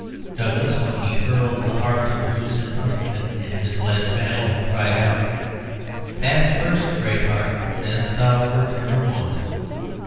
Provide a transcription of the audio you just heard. Douglas, when he hurled the heart of Bruce in front of him in his last battle, cried out, 'Pass first, great heart, as thou wert ever wont.'